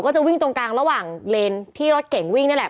จะวิ่งตรงกลางระหว่างเลนที่รถเก่งวิ่งนี่แหละ